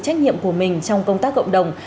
trách nhiệm của mình trong công tác cộng đồng